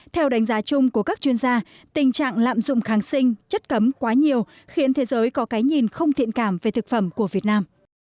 theo đánh giá chung của các chuyên gia tình trạng lạm dụng kháng sinh chất cấm quá nhiều khiến thế giới có cái nhìn không thiện cảm về thực phẩm của việt nam